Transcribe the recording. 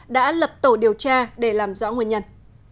đã lập tổ điều tra để làm rõ nguyên nhân